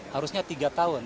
harusnya tiga tahun